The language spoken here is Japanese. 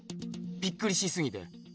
びっくりしすぎて。